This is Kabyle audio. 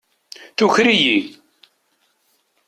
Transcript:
Tuker-iyi.